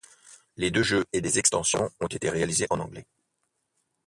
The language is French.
Les deux jeux et les extensions ont été réalisées en anglais.